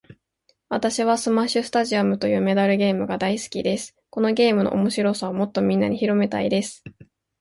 私はスマッシュスタジアムというメダルゲームが大好きです。このゲームの面白さをもっとみんなに広めたいです。